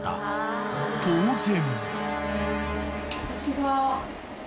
［当然］